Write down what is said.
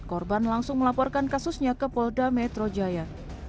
korban langsung melaporkan kasusnya ke polda metro jaya